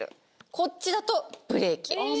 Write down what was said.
こっちだとブレーキ。